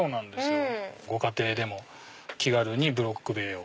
ご家庭で気軽にブロック塀を。